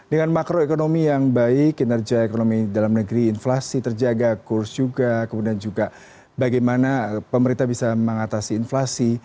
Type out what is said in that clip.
dengan makroekonomi yang baik kinerja ekonomi dalam negeri inflasi terjaga kurs juga kemudian juga bagaimana pemerintah bisa mengatasi inflasi